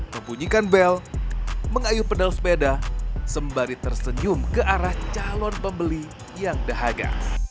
membunyikan bel mengayuh pedal sepeda sembari tersenyum ke arah calon pembeli yang dahaga